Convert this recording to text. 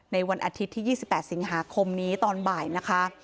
วันอาทิตย์ที่๒๘สิงหาคมนี้ตอนบ่ายนะคะ